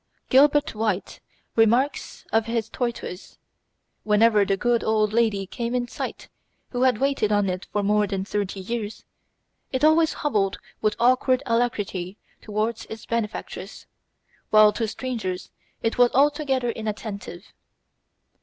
Gilbert White remarks of his tortoise: "Whenever the good old lady came in sight who had waited on it for more than thirty years, it always hobbled with awkward alacrity towards its benefactress, while to strangers it was altogether inattentive."